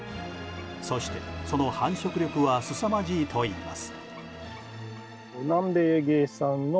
そして、その繁殖力はすさまじいといいます。